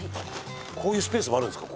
こういうスペースもあるんですか？